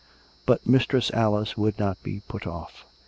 But Mistress Alice would not be put off.